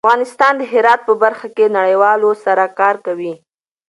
افغانستان د هرات په برخه کې نړیوالو سره کار کوي.